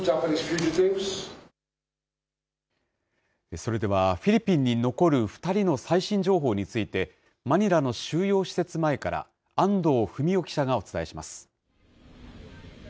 それでは、フィリピンに残る２人の最新情報について、マニラの収容施設前から、安藤文音記者がお伝えします。